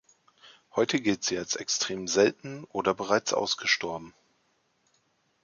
Heute gilt sie als extrem selten oder bereits ausgestorben.